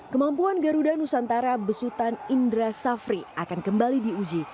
kemampuan garuda nusantara besutan indra safri akan kembali diuji